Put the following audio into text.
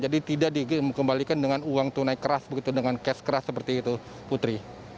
jadi tidak dikembalikan dengan uang tunai keras begitu dengan cash keras seperti itu putri